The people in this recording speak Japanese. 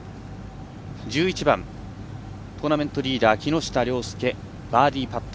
１１番、トーナメントリーダー木下稜介、バーディーパット。